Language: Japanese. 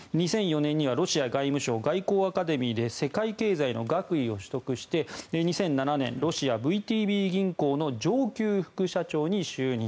２００４年にはロシア外務省外交アカデミーで世界経済の学位を取得して２００７年ロシアＶＴＢ銀行の上級副社長に就任。